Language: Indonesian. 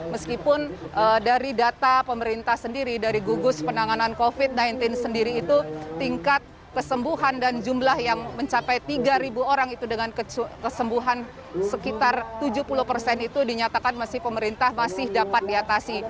meskipun dari data pemerintah sendiri dari gugus penanganan covid sembilan belas sendiri itu tingkat kesembuhan dan jumlah yang mencapai tiga orang itu dengan kesembuhan sekitar tujuh puluh persen itu dinyatakan masih pemerintah masih dapat diatasi